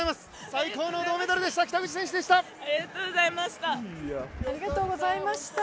最高の銅メダルでした。